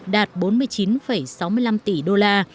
đạt bốn mươi chín sáu mươi năm tỷ đô la